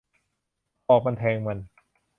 หอกมันแทงมัน